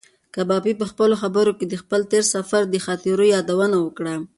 کبابي په خپلو خبرو کې د خپل تېر سفر د خاطرو یادونه وکړه.